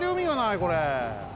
これ。